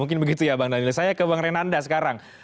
iya bang daniel saya ke bang renanda sekarang